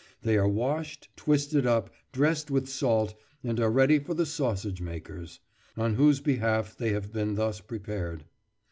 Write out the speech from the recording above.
They are washed, twisted up, dressed with salt, and are ready for the sausage makers, on whose behalf they have been thus prepared."